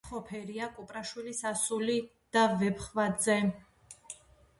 ხოფერია, კუპრაშვილის ასული, და ვეფხვაძე.